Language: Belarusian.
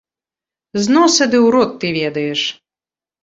З носа ды ў рот ты ведаеш!